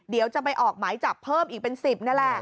เดี๋ยวจะไปออกหมายจับเพิ่มอีกเป็น๑๐นี่แหละ